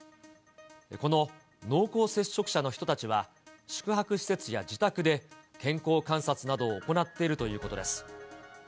この濃厚接触者の人たちは宿泊施設や自宅で健康観察などを行っているということです。